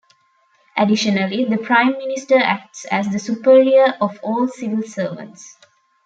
Additionally, the prime minister acts as the superior of all civil servants.